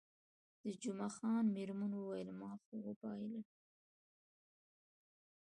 د جمعه خان میرمنې وویل، ما خو وبایلل.